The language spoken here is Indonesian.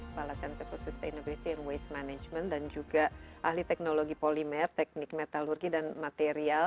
falad center for sustainability and waste management dan juga ahli teknologi polimer teknik metalurgi dan material